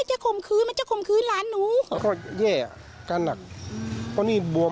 มันจะข่มคืนมันจะข่มคืนล้านหนูก็แย่การหนักก็นี่บวม